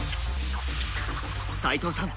齋藤さん